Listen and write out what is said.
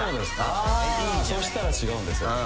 あそしたら違うんですよね。